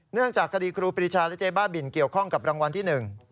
เนื่องจากคดีครูปรีชาและเจ๊บ้าบินเกี่ยวข้องกับรางวัลที่๑